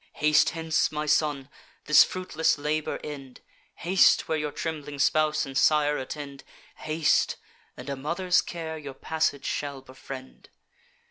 Haste hence, my son; this fruitless labour end: Haste, where your trembling spouse and sire attend: Haste; and a mother's care your passage shall befriend.